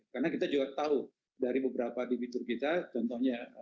karena kita juga tahu dari beberapa produk produk yang ada di pasar internasional khususnya pasar korea